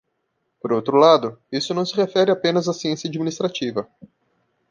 Por outro lado, isso não se refere apenas à ciência administrativa.